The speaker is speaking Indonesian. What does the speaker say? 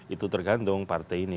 itu tergantung partai ini